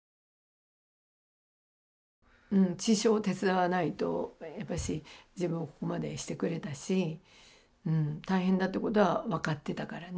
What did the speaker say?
うん師匠を手伝わないとやっぱし自分をここまでしてくれたし大変だってことは分かってたからね。